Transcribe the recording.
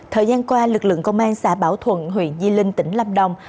thời gian qua lực lượng công an xã bảo thuận huyện di linh tỉnh lâm đồng